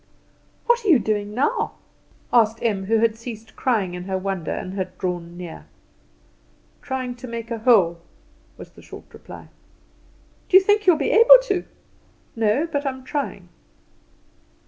"What are you doing now?" asked Em, who had ceased crying in her wonder, and had drawn near. "Trying to make a hole," was the short reply. "Do you think you will be able to?" "No; but I am trying."